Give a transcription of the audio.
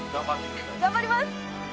頑張ります！